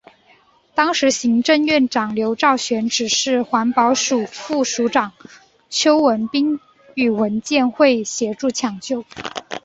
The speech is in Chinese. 当时行政院长刘兆玄指示环保署副署长邱文彦与文建会协助抢救。